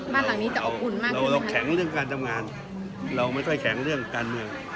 บ้านหลังนี้จะอบอุ่นมากเราแข็งเรื่องการทำงานเราไม่ค่อยแข็งเรื่องการเมือง